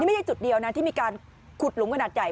ไม่ใช่จุดเดียวนะที่มีการขุดหลุมขนาดใหญ่